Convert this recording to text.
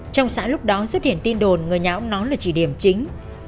trong xã lúc đó xuất hiện tin đồn người nhà ông nón là chỉ điểm chính